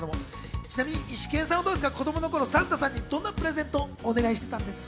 ちなみにイシケンさんは子供の頃、サンタさんにどんなプレゼントをお願いしていたんですか？